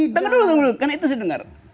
tengok dulu tengok dulu karena itu saya dengar